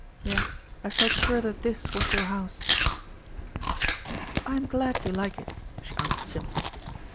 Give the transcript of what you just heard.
Yes, I felt sure that this was your house." "I am glad you like it," she answered simply.